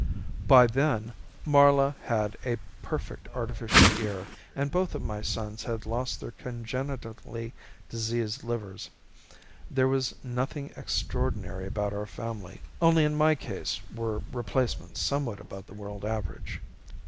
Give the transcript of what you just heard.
By then Marla had a perfect artificial ear and both of my sons had lost their congenitally diseased livers. There was nothing extraordinary about our family; only in my case were replacements somewhat above the world average.